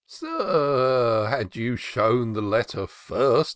" Sir, had you shown the letter first.